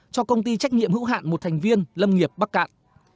cho công ty trách nhiệm hữu hạn một thành viên lâm nghiệp bắc cạn